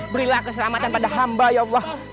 berilah keselamatan pada hamba ya allah